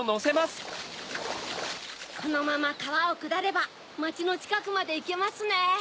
このままかわをくだればまちのちかくまでいけますね。